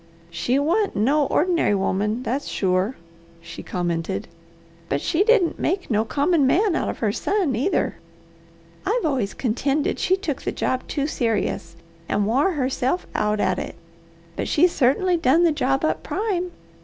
"She wa'ant no ordinary woman, that's sure," she commented. "And she didn't make no common man out of her son, either. I've always contended she took the job too serious, and wore herself out at it, but she certainly done the work up prime.